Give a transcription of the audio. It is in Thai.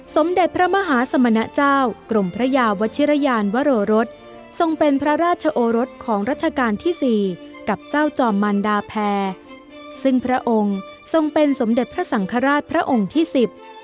สมเด็จพระมหาสมณเจ้ากรมพระยาวัชิรยานวโรรสทรงเป็นพระราชโอรสของรัชกาลที่สี่กับเจ้าจอมมันดาแพรซึ่งพระองค์ทรงเป็นสมเด็จพระสังฆราชพระองค์ที่สิบ